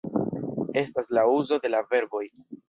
Estas la uzo de la verboj